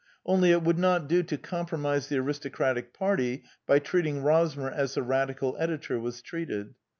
Only it would not do to compromise the aristocratic party by treat ing Rosmer as the Radical editor was treated.